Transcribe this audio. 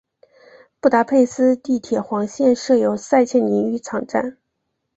布达佩斯地铁黄线设有塞切尼浴场站。